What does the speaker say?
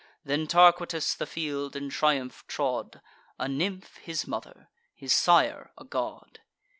Then Tarquitus the field in triumph trod; A nymph his mother, his sire a god.